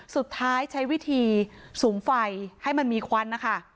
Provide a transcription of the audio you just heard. สุดท้ายใช้วิธีสูงไฟให้มันมีควันนะคะ